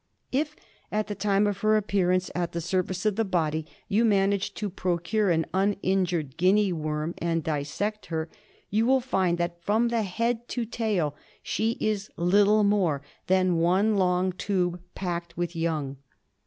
If at the time of her appearance at the sur face of the body you manage to procure an uninjured Guinea worm and dissect her, you Traimerje SeoUon of i Guinea worm. will find that from head (A/itr LeuOiari.) to tail she is little more than one long tube packed with young.